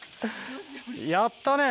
やったね。